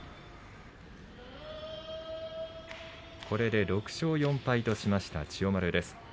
これで６勝４敗としました千代丸です。